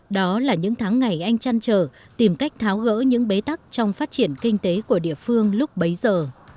đó là những tháng ngày anh chăn trở tìm cách tháo gỡ những bế tắc trong phát triển kinh tế của địa phương lúc bấy giờ